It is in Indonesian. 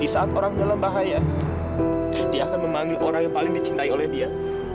di saat orang dalam bahaya dia akan memanggil orang yang paling dicintai oleh dia